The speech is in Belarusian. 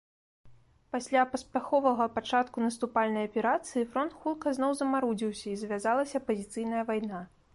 Пасле паспяховага пачатку наступальнай аперацыі фронт хутка зноў замарудзіўся і завязалася пазіцыйная вайна.